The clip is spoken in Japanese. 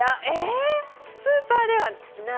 スーパーではない？